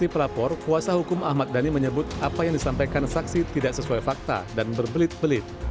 di pelapor kuasa hukum ahmad dhani menyebut apa yang disampaikan saksi tidak sesuai fakta dan berbelit belit